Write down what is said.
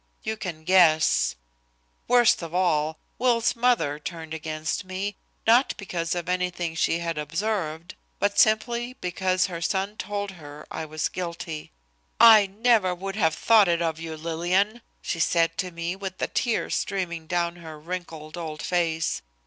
You can guess. Worst of all, Will's mother turned against me, not because of anything she had observed, but simply because her son told her I was guilty. "'I never would have thought it of you, Lillian,' she said to me with the tears streaming down her wrinkled, old face.